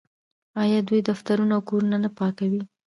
آیا دوی دفترونه او کورونه نه پاکوي؟